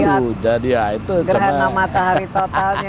untuk melihat gerhana matahari totalnya